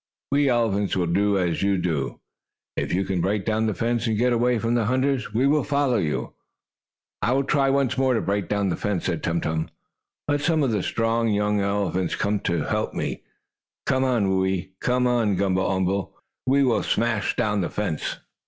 We elephants will do as you do. If you can break down the fence, and get away from the hunters, we will follow you." "I will try, once more, to break down the fence," said Tum Tum. "Let some of the strong, young elephants come to help me. Come, Whoo ee come, Gumble umble! We will smash down the fence!"